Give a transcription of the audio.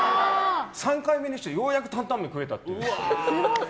３回目にしてようやく担々麺を食えたという。